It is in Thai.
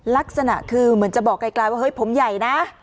ลักษณะคือเหมือนจะบอกไกลว่าเฮ้ยผมใหญ่นะ